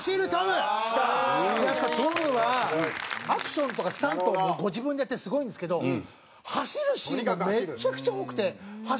やっぱトムはアクションとかスタントも自分でやってすごいんですけど走るシーンがめちゃくちゃ多くて走る距離も長いんですよ。